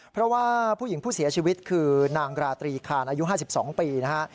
เพราะว่าผู้หญิงผู้เสียชีวิตคือนางราตรีคานอายุ๕๒ปีนะฮะ